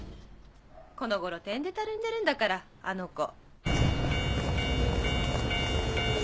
この頃てんでたるんでるんだからあの子。